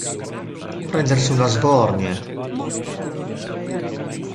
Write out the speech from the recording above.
Prendersi una sbornia.